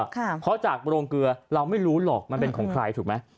เพราะจากโรงเกลือเราไม่รู้หรอกมันเป็นของใครถูกไหม